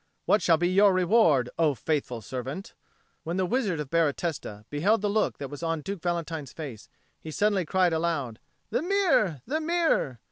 What shall be your reward, O faithful servant?" When the Wizard of Baratesta beheld the look that was on Duke Valentine's face, he suddenly cried aloud, "The mirror, the mirror!"